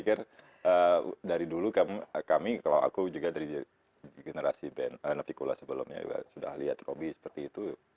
karena dari dulu kami kalo aku juga dari generasi navikula sebelumnya juga sudah liat robby seperti itu